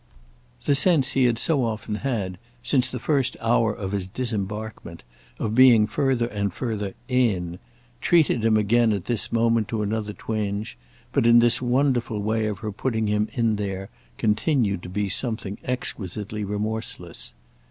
The sense he had so often had, since the first hour of his disembarkment, of being further and further "in," treated him again at this moment to another twinge; but in this wonderful way of her putting him in there continued to be something exquisitely remorseless.